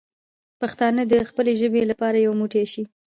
پښتانه دې د خپلې ژبې لپاره یو موټی شي.